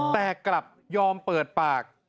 แต่กลับยอมเปิดปาก